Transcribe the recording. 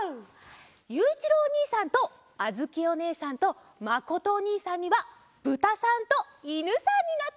ゆういちろうおにいさんとあづきおねえさんとまことおにいさんにはぶたさんといぬさんになってもらおうっと。